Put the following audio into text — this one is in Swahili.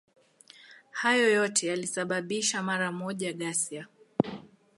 Hayo yote yalisababisha mara moja ghasia.